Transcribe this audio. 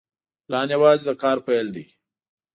پلان یوازې د کار پیل دی.